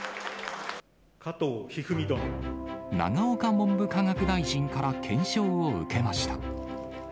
永岡文部科学大臣から顕彰を受けました。